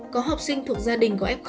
có học sinh thuộc gia đình có f